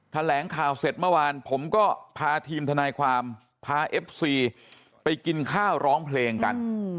แถลงข่าวเสร็จเมื่อวานผมก็พาทีมทนายความพาเอฟซีไปกินข้าวร้องเพลงกัน